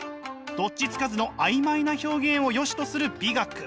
どっちつかずの曖昧な表現をよしとする美学。